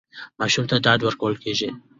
ماشوم ته ډاډ ورکول کېږي.